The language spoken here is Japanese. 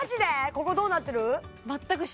ここどうなってる？